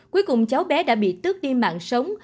cuối cùng cháu bé đã bị tước đi mạng sống